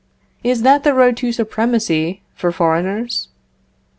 Is that the road to supremacy, for foreigners?